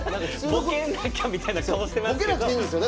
ぼけなきゃみたいな顔していますけど。